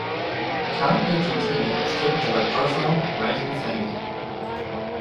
Currently Jentina is keeping a low profile, and raising a family.